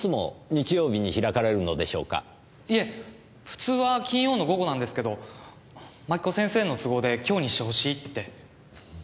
いえ普通は金曜の午後なんですけど槙子先生の都合で今日にしてほしいって。